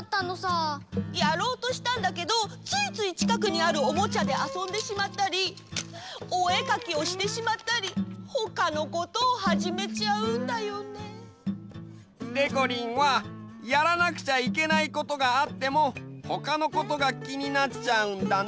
やろうとしたんだけどついついちかくにあるオモチャであそんでしまったりおえかきをしてしまったりほかのことをはじめちゃうんだよね。でこりんはやらなくちゃいけないことがあってもほかのことがきになっちゃうんだね。